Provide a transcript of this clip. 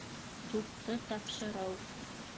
Тупты тапшырыу